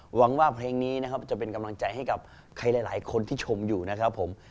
หวังว่าเพลงนี้นะครับจะเป็นกำลังใจให้กับใครหลายคนที่ชมอยู่นะครับผม